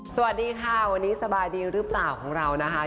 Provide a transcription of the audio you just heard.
สวัสดีค่ะวันนี้สบายดีหรือเปล่าของเรานะคะ